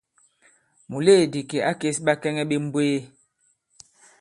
Mùleèdì kì à kês ɓakɛŋɛ ɓe mbwee.